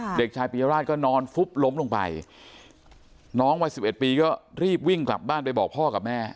เด็กชายปียราชก็นอนฟุบล้มลงไปน้องวัยสิบเอ็ดปีก็รีบวิ่งกลับบ้านไปบอกพ่อกับแม่